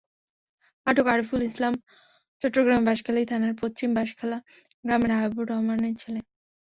আটক আরিফুল ইসলাম চট্টগ্রামের বাঁশখালী থানার পশ্চিম বাঁশখালা গ্রামের হাবিবুর রহমানের ছেলে।